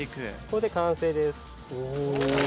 これで完成です。